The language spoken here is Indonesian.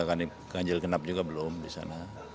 kan kanjil kenap juga belum di sana